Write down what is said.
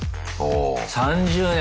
３０年！